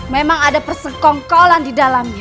memang ada persekongkolan di dalamnya